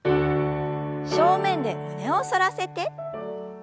正面で胸を反らせて。